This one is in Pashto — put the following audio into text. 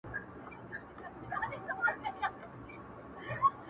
• خدای مکړه چي زه ور سره کړې وعده ماته کړم,